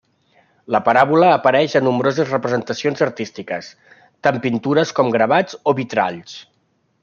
La paràbola apareix a nombroses representacions artístiques, tant pintures com gravats o vitralls.